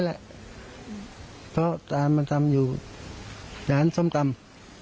และอาจรู้ตาในย้านส้มตำ